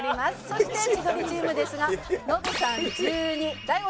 そして千鳥チームですがノブさん１２大悟さん